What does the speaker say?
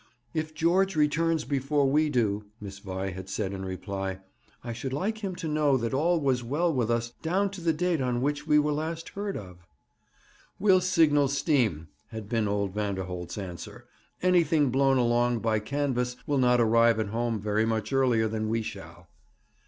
'If George returns before we do,' Miss Vi had said in reply, 'I should like him to know that all was well with us down to the date on which we were last heard of.' 'We'll signal steam,' had been old Vanderholt's answer. 'Anything blown along by canvas will not arrive at home very much earlier than we shall.'